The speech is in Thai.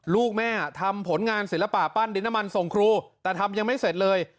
ลูกแม่ทำผลงานศิลปะปั้นดินน้ำมันส่งครูแต่ทำยังไม่เสร็จเลย